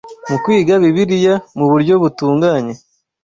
mu kwiga Bibiliya mu buryo butunganye